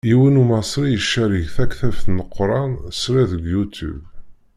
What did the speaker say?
Yiwen Umaṣri icerreg taktabt n Leqran srid deg Youtube.